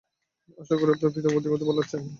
আশা করি আপনার পিতা ইতোমধ্যে ভাল হয়েছেন।